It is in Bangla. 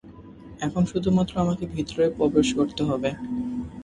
এখন শুধুমাত্র আমাকে ভিতরে প্রবেশ করতে হবে।